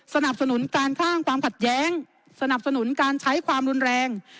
สนับสนุนการสร้างความขัดแย้งสนับสนุนการใช้ความรุนแรง